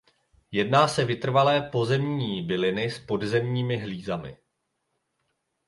Jedná se vytrvalé pozemní byliny s podzemními hlízami.